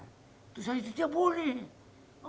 terus saya dia boleh